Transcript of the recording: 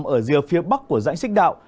ở rìa phía bắc của dãnh sích đạo